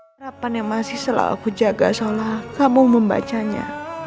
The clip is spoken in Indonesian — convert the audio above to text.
harapan yang masih selalu aku jaga seolah kamu membacanya